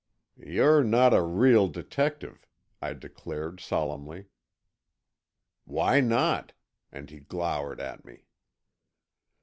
"You're not a real detective," I declared, solemnly. "Why not?" and he glowered at me.